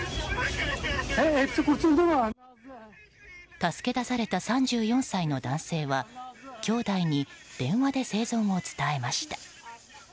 助け出された３４歳の男性はきょうだいに電話で生存を伝えました。